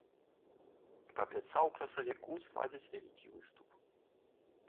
І паабяцаў у красавіку зладзіць вялікі выступ.